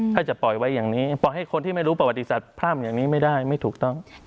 ถ้าจะปล่อยไว้อย่างนี้ปล่อยให้คนที่ไม่รู้ประวัติศาสตร์พร่ำอย่างนี้ไม่ได้ไม่ถูกต้อง